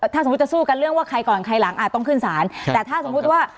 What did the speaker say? ถ้าสมมุติจะสู้กันเรื่องว่าใครก่อนใครหลังอาจต้องขึ้นศาลแต่ถ้าสมมุติว่า